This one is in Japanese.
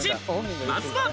まずは。